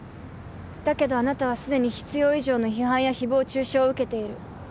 だけどあなたはすでに必要以上の批判や誹謗中傷を受けている。